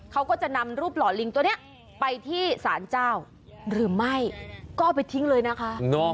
เขาก็จะนำรูปหล่อลิงตัวนี้ไปที่สารเจ้าหรือไม่ก็เอาไปทิ้งเลยนะคะ